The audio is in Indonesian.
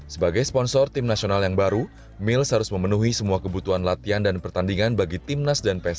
sebagai sponsor tim nasional yang baru mils harus memenuhi semua kebutuhan latihan dan pertandingan bagi timnas dan pssi